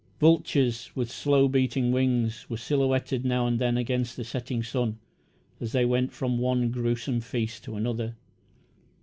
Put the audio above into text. Vultures, with slow beating wings, were silhouetted now and then against the setting sun, as they went from one grewsome feast to another.